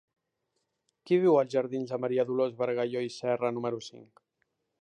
Qui viu als jardins de Maria Dolors Bargalló i Serra número cinc?